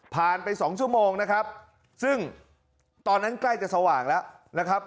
ไปสองชั่วโมงนะครับซึ่งตอนนั้นใกล้จะสว่างแล้วนะครับ